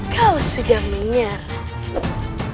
kau sudah menyerang